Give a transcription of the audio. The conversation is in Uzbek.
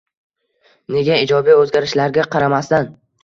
Nega ijobiy o‘zgarishlarga qaramasdan